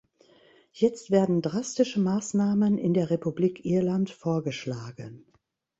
Jetzt werden drastische Maßnahmen in der Republik Irland vorgeschlagen.